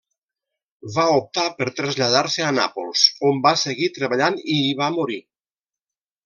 Va optar per traslladar-se a Nàpols, on va seguir treballant i hi va morir.